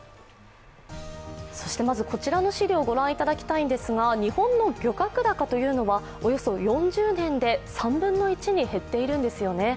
まずこちらの資料をご覧いただきたいんですが、日本の漁獲高というのはおよそ４０年で３分の１に減っているんですよね。